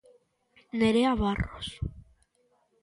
Nerea Barros.